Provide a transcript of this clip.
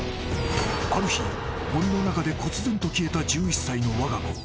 この日森の中でこつぜんと消えた１１歳の我が子。